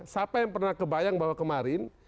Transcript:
siapa yang pernah kebayang bahwa kemarin